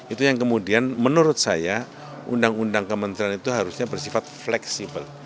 itu yang kemudian menurut saya undang undang kementerian itu harusnya bersifat fleksibel